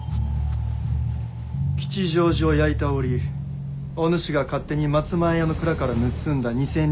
吉祥寺を焼いた折お主が勝手に松前屋の蔵から盗んだ２千両だ。